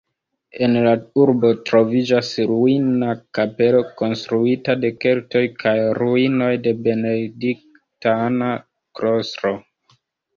En la urbo troviĝas ruina kapelo konstruita de keltoj kaj ruinoj de benediktana klostro.